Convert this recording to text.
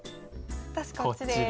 私こっちです。